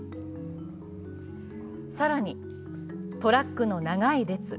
更に、トラックの長い列。